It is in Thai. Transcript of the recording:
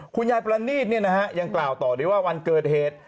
คุณยายปรณีตเนี่ยนะฮะยังกล่าวต่อดีว่าวันเกิดเหตุ